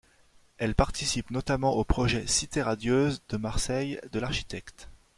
Elle participe notamment au projet Cité radieuse de Marseille de l'architecte.